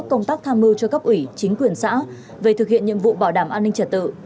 công tác tham mưu cho cấp ủy chính quyền xã về thực hiện nhiệm vụ bảo đảm an ninh trật tự